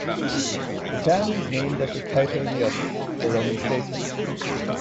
The town is named after Cato the Elder, a Roman statesman.